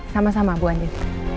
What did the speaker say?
sama sama bu andin